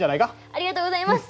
ありがとうございます。